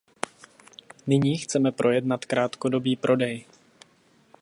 Nyní chceme projednat krátkodobý prodej.